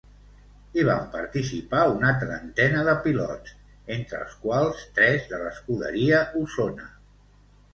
Hi vam participar una trentena de pilots, entre els quals tres de l'Escuderia Osona.